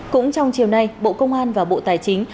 cũng trong chiều nay bộ công an và bộ tài chính